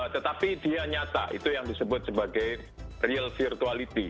tetapi dia nyata itu yang disebut sebagai real virtuality